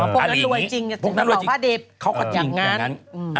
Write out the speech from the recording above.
พวกนั้นรวยจริงเพราะว่าพระดิษฐ์อย่างนั้น